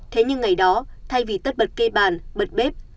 thế nhưng ngày đó thay vì tất bật kê bàn bật bếp